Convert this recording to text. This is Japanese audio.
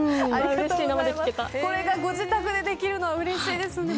これがご自宅でできるのはうれしいですね。